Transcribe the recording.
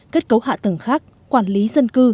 kết cấu hạ tầng khác quản lý dân cư